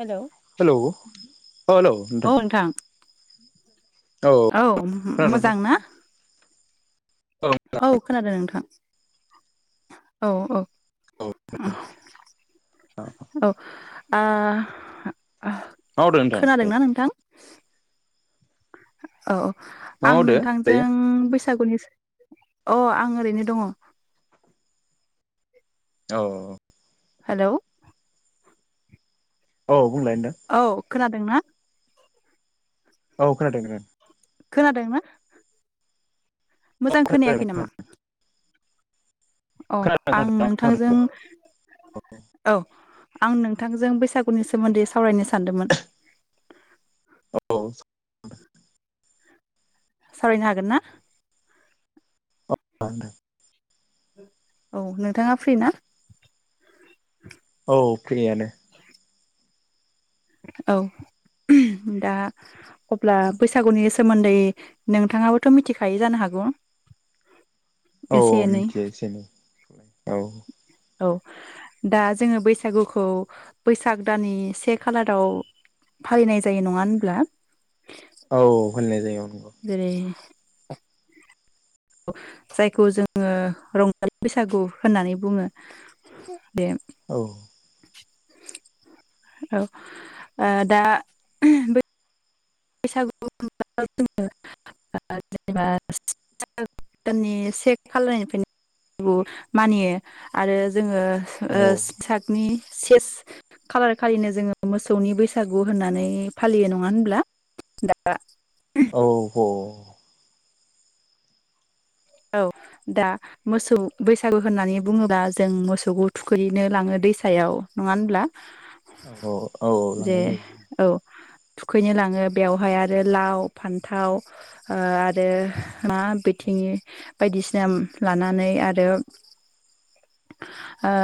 Hello hello. औ hello नोंथां। औ खोनादों मोजां ना। औ खोनादों नोंथां। औ औ। औ मा [unintelligible] आ मावदो नोंथां मा खोनादोंना नोंथां। औ। आं मावदो नोंथांजों दायो बैसागुनि। अ आं ओरैनो दङ। औ। हेलौ। औ बुंलाय [unintelligible] खोनादों ना। औ खोनादों [unintelligible] खोनादोंना। मोजां खोनादों खोनायाखै नामा? अ आं नोंथांजों औ आं नोंथांजों बैसागुनि सोमोन्दै सावरायनो सानदोंमोन। औ सावरायनो हागोन ना? [unintelligible] औ नोंथाङा फ्रि ना? औ फ्रियानो औ दा अब्ला बैसागुनि सोमोन्दै नोंथाङाबोथ मिथिखायो जानो हागौ। औ-औ एसे एनै मिथियो एसे एनै औ। औ दा जोङो बैसागुखौ बैसाग दाननि से खालाराव फालिनाय जायो नङा होनब्ला। औ फालिनाय‌ जायो। नंगौ जेरै जायखौ जोङो रंजालि बैसागु होननानै बुङो। औ [unintelligible] औ दा बैसागु [unintelligible] जेनेबानि से खालामनायनिफ्रायनो मानियो आरो जोङो औ ओ [unintelligible] से खालार खालिनो जोङो मोसौनि बैसागु होननानै फालियो नङा होनब्ला। [unintelligible] औ [unintelligible] औ दा मोसौ बैसागु होननानै बुङोब्ला जों मोसौखौ थुखैनो लाङो दैसायाव नङा होनब्ला। औ-औ-औ-औ जे लांनाय जायो। औ थुखैनो लाङो बेवहाय आरो लाव फान्थाव ओ आरो मा [unintelligible] बायदिसिना लानानै आरो ओ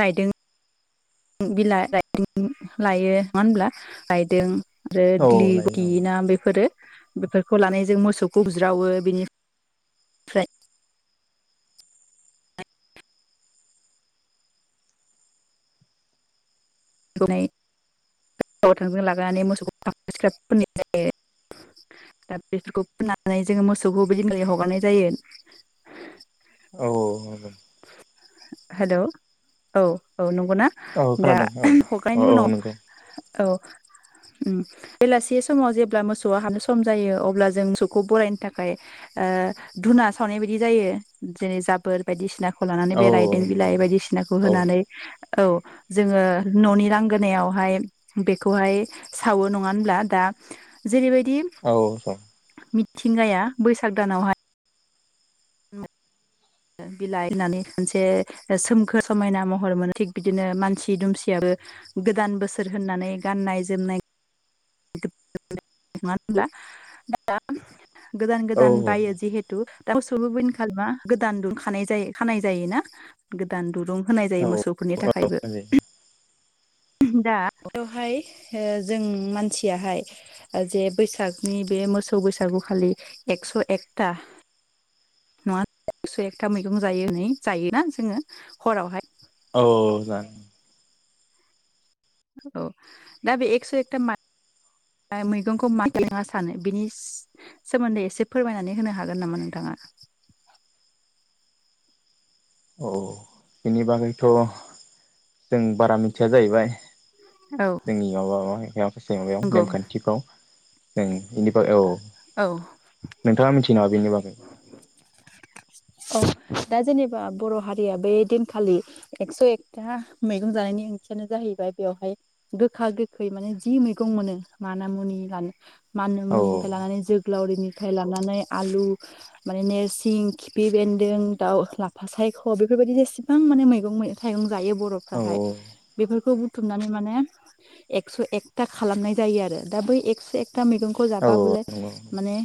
रायदों [unintelligible] आरो औ दिगलि लायो लितिना बेफोरो बेफोरखौ लानानै जों मोसौखौ बुज्रावो बेनिफ्राय [unintelligible] मोसौखौ बिलिरना हगारनाय जायो। औ-औ हेलौ औ-औ नं नंगौ ना दा हगारनायनि औ-औ-औ उनाव नंगौ। औ उम बेलासि समाव जेब्ला मोसौआ हाबनो सम जायो अब्ला जों मोसौखौ बरायनो थाखाय ओ धुना सावनाय बायदि जायो जेरै जाबोर बायदिसिना खौ लानानै औ बे रायदें बिला नंगौ औ बायदिसिनाखौ होनानै औ जोङो न'नि लांगोनायावहाय बेखौहाय सावो नङा होनब्ला दा जेरैबायदि औ मिथिंगाया बैसाग दानावहाय बिलाइ होननानै खनसे सोमखोर समायना महर मोनो थिग बिदिनो मानसि दुमसियाबो गोदान बोसोर होननानै गाननाय जोमनाय होनब्ला दा गोदान गोदान बायो जिहेतु दा मोसौनोबो गोदान दुरुं खानाइ जायो खानाय जायो ना गोदान दुरुं होनाय औ जायो मोसौफोरनि थाखायबो औ दा बेवहाय जों मानसियाहाय जे बैसागनि बे मोसौ बैसागु खालि एकस' एकथा नङा एकस' एकथा मैगं जायो नै जायोना जोङो हरावहाय औ जानो औ दा बे एक्स' एकथा मैगंखौ मा सानो बिनि सोमोन्दै एसे फोरमायनानै होनो हागोन नामा नोंथाङा? औ बिनि बागैथ' जों बारा मिथिया जाहैबाय औ जोंनियाव गाासै माबायाव नंगौ नेमखान्थिफ्राव औ [unintelligible] नोंथाङा मिथियो नामा बेनि बागै? [inaudible] औ दा जेनेबा बर' हारिया बे दिनखालि एक्स' एकथा मैगं जानायनि ओंथियानो जाहैबाय बेवहाय गोखा गोखै माने जि मैगं मोनो माना मुनि लानो माना औ मुनिनिफ्राय लानानै जो जोग्लाउरिनिफ्राय लानानै आलु माने नोरसिं खिफि बेन्दों दाउ लाफा सायख' बेफोरबायदि जेसेबां माने मैगं थाइगं जायो औ बर'फ्राहाय बेफोर खौ बुथुमनानै माने एकस' एकथा खालामनाय जायो आरो दा बै एकस' एक एकता मैगंखौ जाबा औ नंगौ माने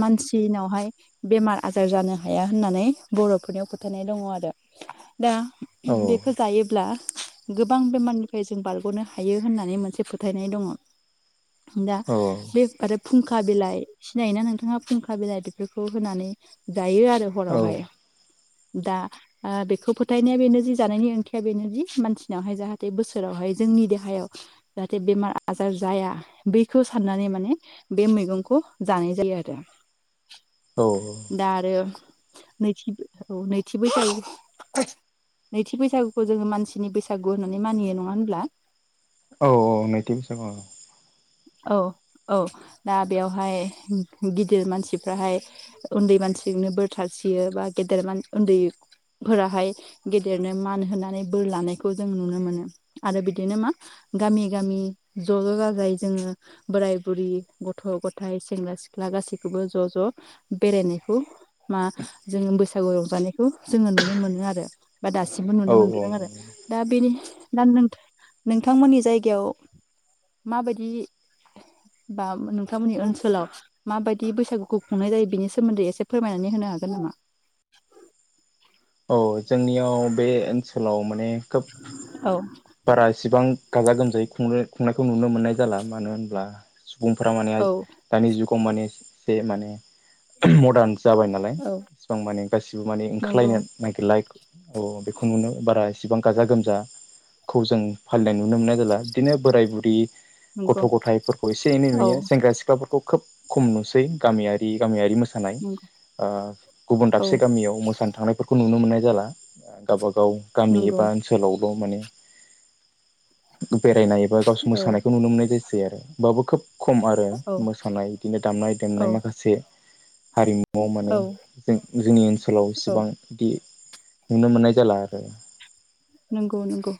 मानसिनावहाय बेमार आजार जानो हाया होननानै बर'फोरनियाव फोथायनाय दङ आरो। दा औ बेखौ जायोब्ला गोबां बेमारनिफ्राय जों बारग'नो हायो होननानै मोनसे फोथायनाय दङ दा औ बे आरो फुंखा बिलाइ सिनायोना नोंथाङा फुंखा बिलाइ बेफोरखौ होनानै दायो आरो। औ हरावहाय दा बेखौ फोथायनाया बेनो जि जानायनि ओंथिया बेनोदि मानसिनावहाय जाहाथे बोसोरावहाय जोंनि देहायाव जाहाथे बेमार आजार जाया बैखौ साननानै माने बे मैगंखौ जानाय जायो आरो। औ दा आरो नैथि औ नैथि बैसागु नैथि बैसागुखौ जोङो मानसिनि बैसागु होननानै मानियो नङा होनब्ला औ औ नैथि बोसोगु औ। औ औ दा बेवहाय गिदिर मानसिफ्राहाय उन्दै मानसिजोंनो बोर सारसियो बा गेदेर उन्दैफोराहाय गेदेरनो मान होनानै बोर लानायखौ जों नुनो मोनो आरो बिदिनो मा गामि गामि ज' ज' जाजाय जोङो बोराय बुरि गथ' गथाइ सेंग्रा सिख्ला गासैखौबो ज' ज' बेरायनायखौ मा जोङो बैसागु रंजानायखौ जोङो नुनो मोनो आरो। बा दासिमबो नुनो औ मोनबोदों आरो। दा बेनि दा नोंथांमोननि जायगायाव माबायदि दि बा नोंथांमोननि ओनसोलाव माबायदि बैसागुखौ खुंनाय जायो बेनि सोमोन्दै एसे फोरमायनानै होनो हागोन नामा? औ जोंनियाव बे ओनसोलाव माने खोब औ बारा इसिबां गाजा गोमजायै खुंनो खुंनायखौ नुनो मोननाय जाला मानो होनब्ला सुबुंफोरा माने औ दानि जुग गाव माने बे माने मदार्न जाबाय नालाय औ एसिबां माने गासिबो माने नंगौ ओंखारलायनो नागिरला औ बेखौ नुनो बारा ए सेबां गाजा गोमजा खौ जों फालिनाय नुनो मोननाय जाला ।बिदिनो बोराय बुरि गथ' नंगौ गथायफोरखौ एसे एनै औ नुयो । सेंग्रा सिख्लाफोरखौ खोब खम नुसै गामियारि गामियारि मो सानाय ओ गुबुन औ दाबसे गामियाव मोसानो थांनायफोरखौ नुनो मोननाय जाला गावबा गाव गामि नंगौ एबा ओनसोलाव बेव माने बेरायनाय एबा गावसो औ मोसानायखौ नुनो मोननाय सै आरो होमबाबो खोब खम आरो औ मोसानाय बिदिनो दामनाय औ देनाय माखासे हारिमुआव माने औ जों जोंनि ओनसोलाव औ इसेबां बिदि नुनो माननाय जाला आरो । नंगौ नंगौ ।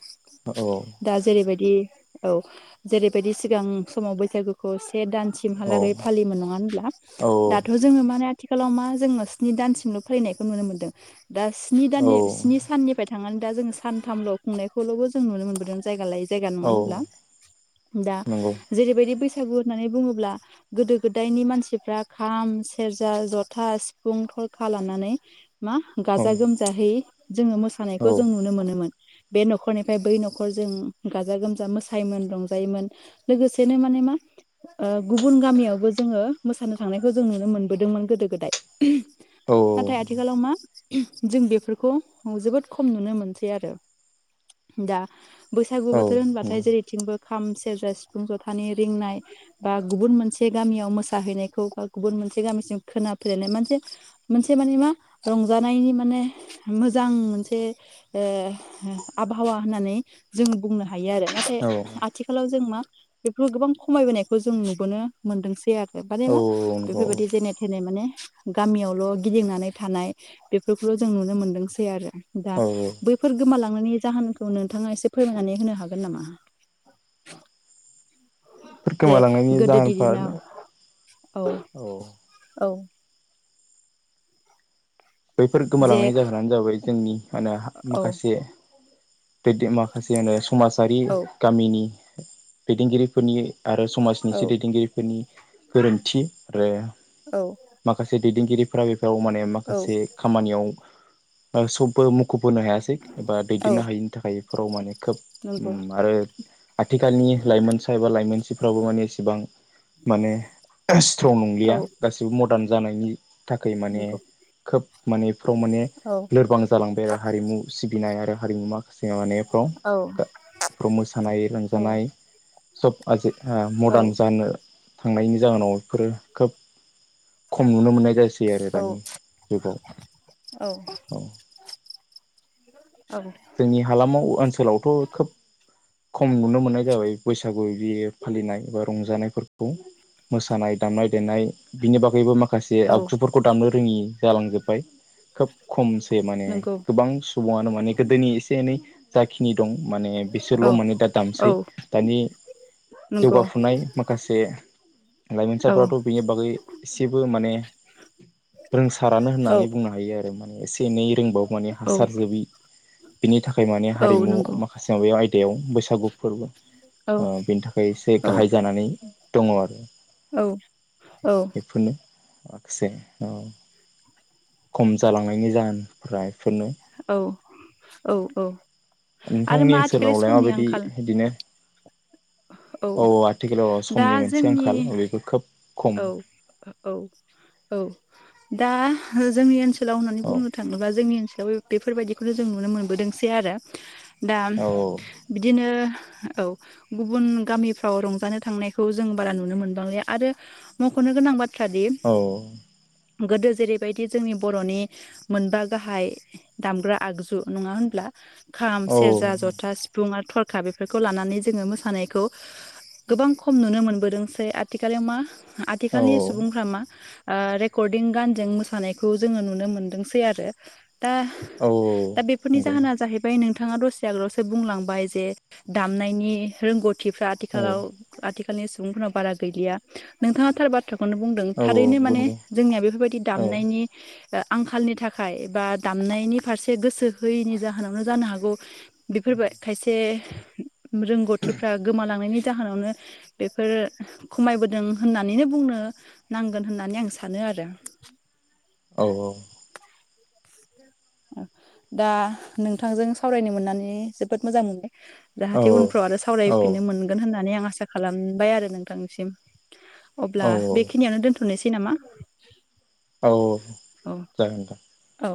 औ दि औ जेरैबायदि सिगां समाव बैसागुखौ से औ दानसिमहालागै फालिओमोन नङा होनब्ला दाथ' औ जोङो माने आथिखालाव मा जोङो स्नि दानसिमल' फैनायखौ नुनो मोन्दों । दा स्नि औ दाननि स्नि साननिफ्राय थांनानै दा जोङो सानथामल' खुंनायखौल'बो जों नुनो मोनबोदों जायगा लायै जायगा नङा औ होमब्ला? दा नंगौ जेरैबायदि बैसागु बैसागु होननानै बुङोब्ला गोदो गोदायनि मानसिफ्रा खाम सेरजा जथा सिफुं थरखा लानानै मा औ गाजा गोमजाहै जोङो औ मोसानायखौ जों नुनो मोनो । मोन बे न'खरनिफ्राय बै न'खर जों गाजा गोमजा मोसायोमोन रंजायोमोन । लोगोसेनो माने मा ओ गुबुन गामियावबो जोङो मोसानो थांनायखौ जों नुनो मोनबोदोंमोन गोदो गोदाय । [unintelligible] औ नाथाय आथिखालाव मा जों बेफोरखौ जोबोद खम नुनो मोनसै । सै आरो दा बैसागु औ बोथोर नंगौ होनबाथाय जेरैथिंबो खाम, सेरजा, सिफुं, जथानि रिंनाय बा गुबुन मोनसे गामियाव मोसाहैनायखौ बा गुबुन मोनसे गामिसिम खोनाफैलायनाय मोनसे मोनसे माने मा रंजानायनि माने मोजां मोनसे ए आबहावा होननानै जोङो बुंनो हायो आरो नाथाय औ औ आथिखालाव जों मा बेफोरखौ गोबां खमायबोनायखौ जों नुबोनो मोनदोंसै आरो बानेना औ नंगौ बेफोरबायदि जेने थेने माने गामियावल' गिदिंनानै थानाय बेफोरखौल जों नुनो मोनदोंसै आरो दा औ गोमालांनायनि जाहोनखौ नोंथाङा एसे फोरमायनानै होनो हागोन नामा? जे गोमालांनायनि गोदोनि दिनाव जाहोनफोरा औ औ बैफोर जे गोमालांनाय जाहोनानो जाबाय जोंनि मा होनो औ माखासे [unintelligible] माखासे होनो समाजारि औ गामिनि दैदेनगिरिफोरनि आरो समाजनि इसे औ दैदेनगिरिफोरनि गोरोन्थि आरो औ माखासे दैदेनगिरिफोरा बेफोराव माने औ माखासे खामानियाव आं सबबो म ख' बोनो होनो हायासै एबा औ दैदेननो हायिनि थाखाय राव मानेक। खोब नंगौ आरो आथिखालनि लाइमोनसा एबा लाइमोनसिफ्राबो माने एसेबां माने स्ट्रं औ नंलिया गासिबो मदार्न जानायनि थाखाय माने नंगौ माने फ्रं माने औ लोरबां जालांबाय आरो हारिमु सिबिनाय आरो हारिमु - [unintelligible] फ्राव औ आ मोसानाय औ रंजानाय सब आजि - हा मडार्न जानो थांनायनि जाहोनाव बेफोरो खोब खम नुनो मोननाय जासि आरो दानि जुगाव औ [unintelligible] जोंनि हालामाव ओनसोलावथ' खोब खम नुनो मोननाय जाबाय बैसागु इदि फालिनाय बा रंजानायफोरखौ मोसानाय दामनाय देनाय बिनि बागैबो माखा से आगजुफोरखौ दामनो रोङि जालांजोबबाय खोब खमसे माने नंगौ गोबां ङानो माने गोदोनि एसे एनै जाखिनि दं माने औ बिसोरल' माने दा औ दामसै। दानि नंगौ जौगाफुनाय माखासे औ लाइमोनसाफथ' बेनि बागै एसेबो माने रोंसारानो औ होननानै बुंनो हायो आरो। एसे एनै रोंबाबो माने औ हासार जोबि बिनि थाखाय माने औ हारिमु नंगौ माखासे माबाया आय दायाव बैसागु फोरबो औ ओ बेनि थाखाय एसे औ गाहाय जानानै दङ' आरो। औ औ। बेफोरनो माखासे औ खम जालांनायनि जाहोन प्राइ औ। औ आरो नोंथांमोननि मा आथिखालनि ओनसोलावलाय समनि माबायदि आंखाल इदिनो औ आथिखालाव दा समनि मोनसे जोंनि आंखाल बेबो खोब खम औ औ औ। दा जोंनि ओनसो सोलाव होननानै औ बुंनो थाङोबा जोंनि ओनसो दा बेफोरबायाददिखौनो जों नुनो मोनबोदोंसै आरो। दा औ बिदिनो औ गुबुन गामिफ्राव रंजानो थांनायखौ जों बारा नुनो मोनबांलि आरो मख'नो गोनां बाथ थ्रादि औ गोदो जेरैबायदि जोंनि बर'नि मोनबा गाहाय दामग्रा आगजु नङा होनब्ला? खाम, औ सेरजा, जथा, सिफुं आरो थरखा बेफोरखौ लानानै जोङो मोसानायखौ गोबां खम नुनो मोनबोदोंसै। आथिखालाव मा औ आथिखालनि सुबुंफ्रा मा ओ रेकर्डिं गानजों मोसानायखौ जोङो नुनो मोनदोंसै आरो। दा औ दा बेफोरनि नंगौ जाहोना जाहैबाय नोंथां थाङा दसे आगोलावसो बुंलांबाय जे दामनायनि रोंग' थिफ्रा औ आथिखालाव आथि खालनि सुबुंफोरा बारा गैलिया। नोंथाङा थार बाथ्रा खौनो बुंदों औ थारैनो नंगौ माने नंगौ जोंनिया बेफोरबायदि औ दामनायनि आंखालनि थाखाय बा दामनायनि फारसे गोसो होयैनि जाहोनावनो जानो हागौ। बेफोरबाय खायसे रोंगौथिफ्रा गोमालांनायनि जाहोनावनो बेफोरो खमायबोदों। होननानैनो बुंनो नांगोन होननानै आं सानो आरो। औ औ दा नोंथांजों सावरायनो मोननानै जोबोद मोजां मोनदों। जाहाथे औ उनफ्राव आरो औ सावरायफिननो मोनगोन होननानै आं आसा खालामबाय आरो नोंथांसिम। औ अब्ला बेखिनियानो दोनथ नोसै नामा? औ औ जागोन दे। औ